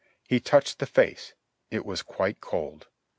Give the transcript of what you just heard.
he touched the face, it was quite cold.